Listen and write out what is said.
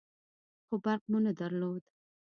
خو برق مو نه درلود.